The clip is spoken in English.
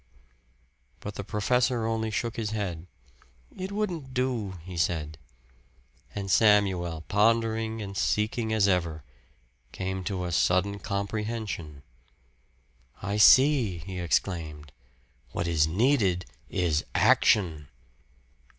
But the professor only shook his head. "It wouldn't do," he said. And Samuel, pondering and seeking as ever, came to a sudden comprehension. "I see," he exclaimed. "What is needed is action!"